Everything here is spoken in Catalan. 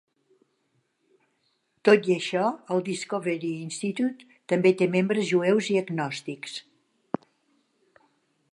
Tot i això, el Discovery Institute també té membres jueus i agnòstics.